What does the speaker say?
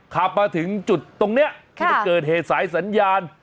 ขับมาถึงจุดตรงนี้ที่มันเกิดเหตุสายสัญญาณ